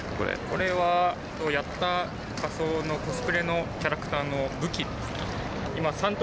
これはやった仮装の、コスプレのキャラクターの武器です。